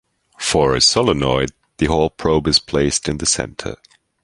For a solenoid the Hall probe is placed in the center.